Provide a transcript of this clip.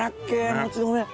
もち米。